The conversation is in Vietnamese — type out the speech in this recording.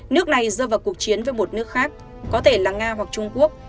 nước này rơi vào cuộc chiến với một nước khác có thể là nga hoặc trung quốc